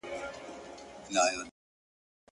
زما دا زړه ناځوانه له هر چا سره په جنگ وي.